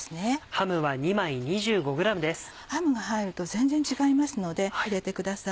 ハムが入ると全然違いますので入れてください。